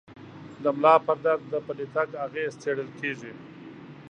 د ملا پر درد د پلي تګ اغېز څېړل کېږي.